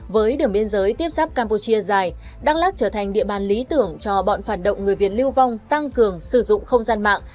với đường biên giới tiếp sắp campuchia dài đắk lắc trở thành địa bàn lý tưởng cho bọn phản động người việt lưu vong tăng cường sử dụng không gian mạng